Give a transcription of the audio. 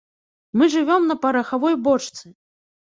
Мы жывём на парахавой бочцы.